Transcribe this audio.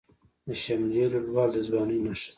د شملې لوړوالی د ځوانۍ نښه ده.